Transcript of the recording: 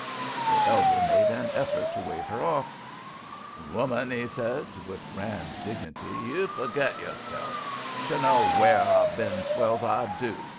The elder made an effort to wave her off. "Woman," he said, with grand dignity, "you forgit yus sef; shu know ware I've ben 'swell's I do.